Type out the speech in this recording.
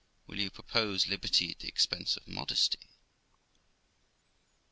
Will you propose liberty at the expense of modesty?'